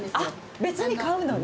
別に買うのね。